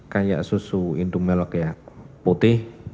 kayak susu indomelok ya putih